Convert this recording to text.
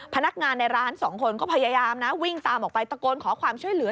พนักงานในร้านสองคนก็พยายามนะวิ่งตามออกไปตะโกนขอความช่วยเหลือ